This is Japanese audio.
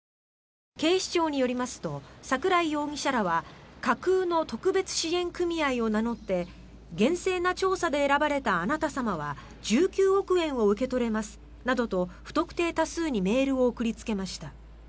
警視庁によりますと櫻井容疑者らは架空の特別支援組合を名乗って厳正な調査で選ばれたあなた様は１９億円を受け取れますなどと不特定多数にメールを送りつけました。